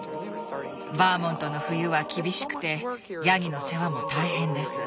バーモントの冬は厳しくてヤギの世話も大変です。